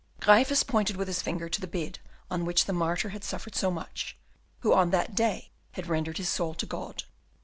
Gryphus pointed with his finger to the bed on which the martyr had suffered so much, who on that day had rendered his soul to God.